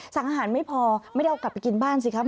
สั่งอาหารไม่พอไม่ได้เอากลับไปกินบ้านสิครับ